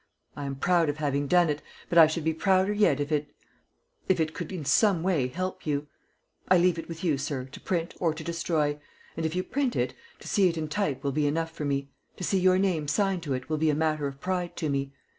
I am proud of having done it, but I should be prouder yet if it if it could in some way help you. I leave it with you, sir, to print or to destroy; and if you print it, to see it in type will be enough for me; to see your name signed to it will be a matter of pride to me.